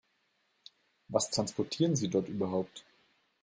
Was transportieren Sie dort überhaupt?